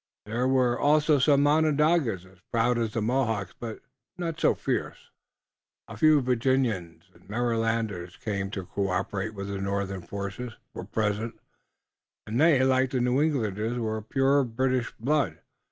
There were also some Onondagas, as proud as the Mohawks, but not so fierce. A few Virginians and Marylanders, come to cooperate with the northern forces, were present, and they, like the New Englanders, were of pure British blood.